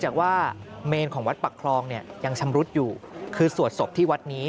จากว่าเมนของวัดปักคลองเนี่ยยังชำรุดอยู่คือสวดศพที่วัดนี้